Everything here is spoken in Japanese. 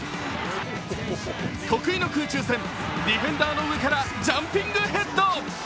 得意の空中戦、ディフェンダーの上からジャンピングヘッド。